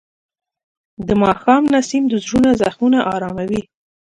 د ماښام نسیم د زړونو زخمونه آراموي.